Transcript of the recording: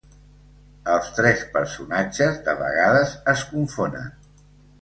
Els tres personatges de vegades es confonen.